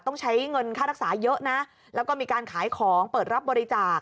ต้องใช้เงินค่ารักษาเยอะนะแล้วก็มีการขายของเปิดรับบริจาค